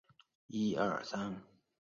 这样使得受血者得以抵抗过敏反应。